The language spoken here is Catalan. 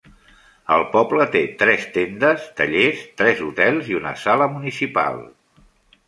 El poble té tres tendes, tallers, tres hotels i una sala municipal.